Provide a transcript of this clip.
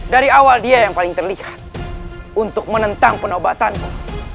dari awal dia yang paling terlihat untuk menentang penobatanku